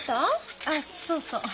あそうそう。